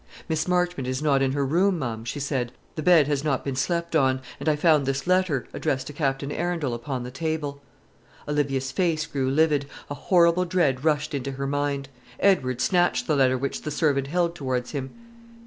"Miss Marchmont is not in her room, ma'am," she said; "the bed has not been slept on; and I found this letter, addressed to Captain Arundel, upon the table." Olivia's face grew livid; a horrible dread rushed into her mind. Edward snatched the letter which the servant held towards him.